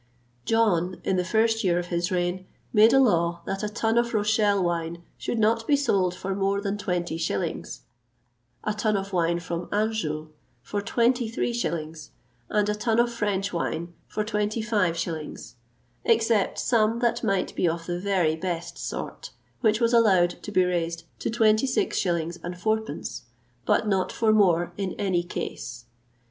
John, in the first year of his reign, made a law that a tun of Rochelle wine should not be sold for more than twenty shillings, a tun of wine from Anjou for twenty three shillings, and a tun of French wine for twenty five shillings, except some that might be of the very best sort, which was allowed to be raised to twenty six shillings and fourpence, but not for more, in any case.